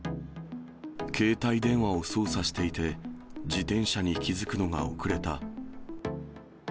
携帯電話を操作していて、自転車に気付くのが遅れた。